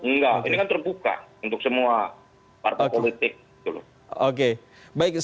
enggak ini kan terbuka untuk semua partai politik